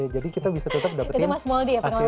jadi kita bisa tetap dapetin hasil